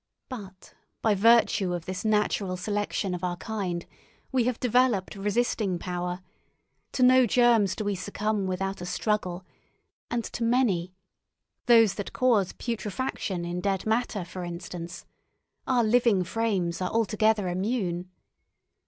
But by virtue of this natural selection of our kind we have developed resisting power; to no germs do we succumb without a struggle, and to many—those that cause putrefaction in dead matter, for instance—our living frames are altogether immune.